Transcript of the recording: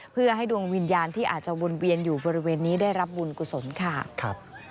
เพื่อให้ดวงวิญญาณที่อาจจะวนเวียนอยู่บริเวณนี้ได้รับบุญกุศลค่ะ